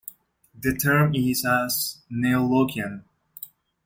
They term this as "neo-Lockean".